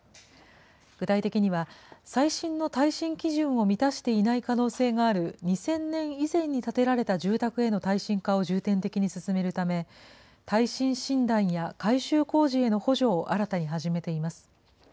具体的には、最新の耐震基準を満たしていない可能性がある２０００年以前に建てられた住宅への耐震化を重点的に進めるため、耐震診断や改修工事への補助を新たに始めています。